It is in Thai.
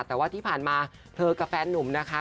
แต่ว่าที่ผ่านมาเธอกับแฟนนุ่มนะคะ